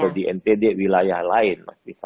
di ntd wilayah lain